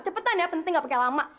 cepetan ya penting gak pake lama